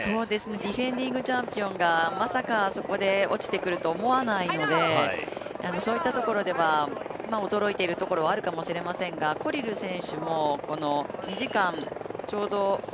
ディフェンディングチャンピオンが、まさかあそこで落ちてくるとは思わないのでそういったところでは驚いてるところもあるかもしれませんが１９分４８秒ですね。